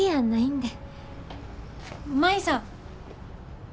舞さん。